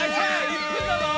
１分だぞ。